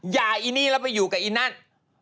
อย่าอีนี่แล้วไปอยู่กับอีนั่น